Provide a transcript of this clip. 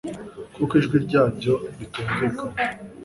kuko ijwi ryabyo ritumvikana